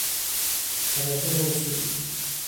توافق اصولی